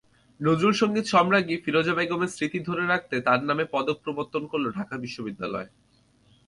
নজরুলসংগীত–সম্রাজ্ঞী ফিরোজা বেগমের স্মৃতি ধরে রাখতে তাঁর নামে পদক প্রবর্তন করল ঢাকা বিশ্ববিদ্যালয়।